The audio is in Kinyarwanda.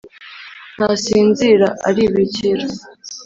Ntasinzira: Aribikira